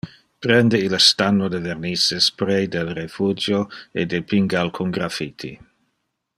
Prende ille stanno de vernisse spray del refugio e depinge alcun graffiti.